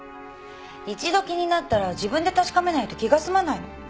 一度気になったら自分で確かめないと気が済まないの。